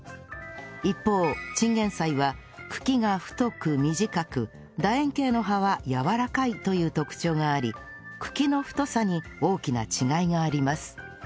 一方チンゲン菜は茎が太く短く楕円形の葉はやわらかいという特徴があり茎の太さに大きな違いがあります